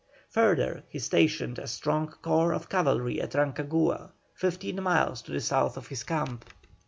Further, he stationed a strong corps of cavalry at Rancagua, fifteen miles to the south of his camp.